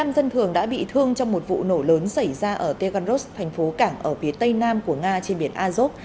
một mươi dân thường đã bị thương trong một vụ nổ lớn xảy ra ở teganros thành phố cảng ở phía tây nam của nga trên biển azov